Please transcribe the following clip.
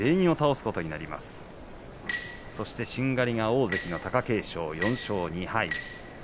しんがりの大関の貴景勝は４勝２敗。